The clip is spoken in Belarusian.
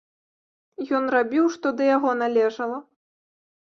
Ён рабіў, што да яго належала.